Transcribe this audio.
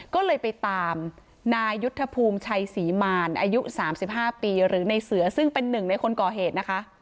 ก็เลยไปตามนายุทธภูมิชัยศรีมารอายุ๓๕ปีหรือในเสือซึ่งเป็นหนึ่งในคนก่อเหตุนะคะ